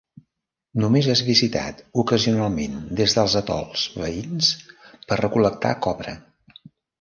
Només és visitat ocasionalment des dels atols veïns per recol·lectar copra.